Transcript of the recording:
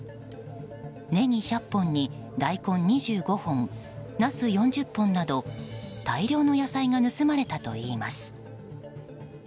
ネギ１００本に大根２５本ナス４０本など大量の野菜が盗まれたといいます。